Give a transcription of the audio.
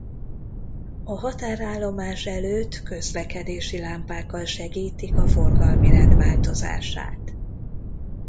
A határállomás előtt közlekedési lámpákkal segítik a forgalmi rend változását.